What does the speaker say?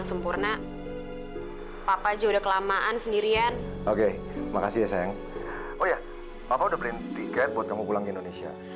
sampai jumpa di video selanjutnya